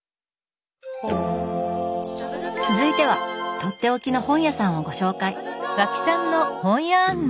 続いてはとっておきの本屋さんをご紹介。